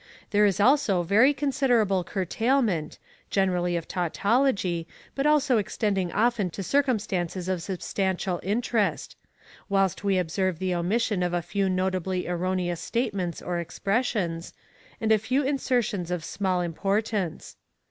There is also very considerable curtailment, generally of tautology, but also extending often to circumstances of substantial interest ; whilst we observe the omission of a few notably erroneous statements or expressions ; and a few insertions of small im VARIOUS TYPES OF THE TEXT 93 portance.